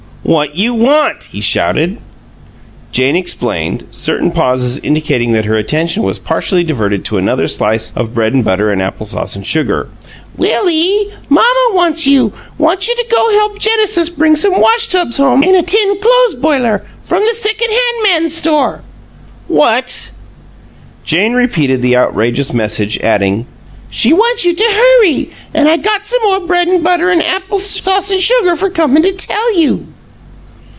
"What you want?" he shouted. Jane explained, certain pauses indicating that her attention was partially diverted to another slice of bread and butter and apple sauce and sugar. "Will ee, mamma wants you wants you to go help Genesis bring some wash tubs home and a tin clo'es boiler from the second hand man's store." "WHAT!" Jane repeated the outrageous message, adding, "She wants you to hurry and I got some more bread and butter and apple sauce and sugar for comin' to tell you."